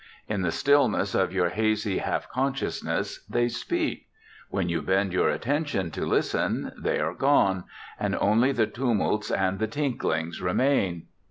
In the stillness of your hazy half consciousness they speak; when you bend your attention to listen, they are gone, and only the tumults and the tinklings remain.